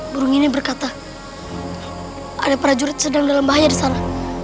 burung ini berkata ada prajurit sedang dalam bahaya di sana